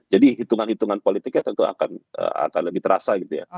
jadi hitungan hitungan politiknya tentu akan lebih terasa gitu ya